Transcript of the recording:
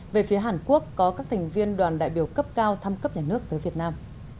về phía hàn quốc có các thành viên đoàn đại biểu cấp cao thăm cấp nhà nước tới việt nam